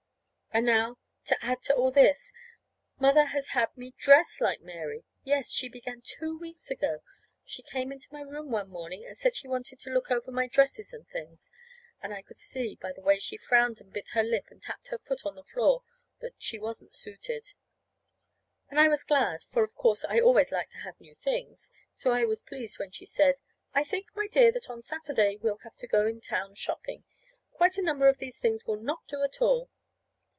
And now, to add to all this, Mother has had me dress like Mary. Yes, she began two weeks ago. She came into my room one morning and said she wanted to look over my dresses and things; and I could see, by the way she frowned and bit her lip and tapped her foot on the floor, that she wasn't suited. And I was glad; for, of course, I always like to have new things. So I was pleased when she said: "I think, my dear, that on Saturday we'll have to go in town shopping. Quite a number of these things will not do at all."